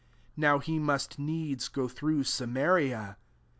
4 Now he must needs go through Samaria.